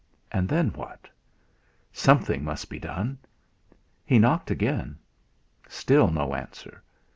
And then what? Something must be done. He knocked again. Still no answer.